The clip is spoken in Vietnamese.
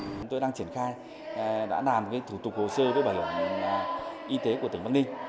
chúng tôi đang triển khai đã làm thủ tục hồ sơ với bảo hiểm y tế của tỉnh bắc ninh